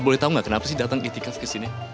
boleh tahu gak kenapa datang itikaf ke sini